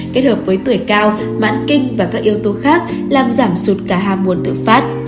kết hợp với tuổi cao mãn kinh và các yếu tố khác làm giảm sụt cả hà nguồn tự phát